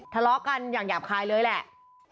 ทะเลาะกันอย่างหยาบคายเลยแหละ